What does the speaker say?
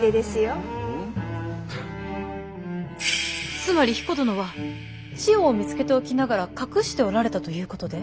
つまり彦殿は千代を見つけておきながら隠しておられたということで？